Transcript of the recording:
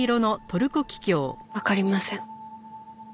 わかりません。